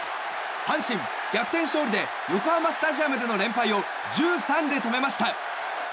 阪神、逆転勝利で横浜スタジアムでの連敗を１３で止めました。